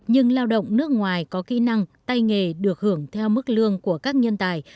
nhưng lao động nước ngoài có kỹ năng tay nghề được hưởng theo mức lương của các nhân tài